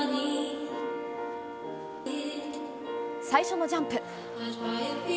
最初のジャンプ。